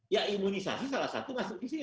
ya imunisasi salah satu masuk di sini